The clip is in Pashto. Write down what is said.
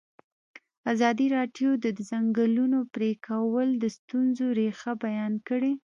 ازادي راډیو د د ځنګلونو پرېکول د ستونزو رېښه بیان کړې.